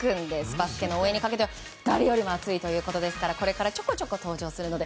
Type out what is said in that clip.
バスケの応援にかけては誰よりも熱いということですからこれからちょこちょこ登場するので